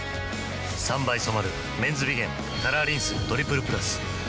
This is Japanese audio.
３倍染まる「メンズビゲンカラーリンストリプルプラス」